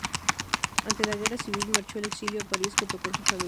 Ante la Guerra Civil marchó al exilio a París junto con su familia.